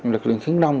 lực luyện khiến nông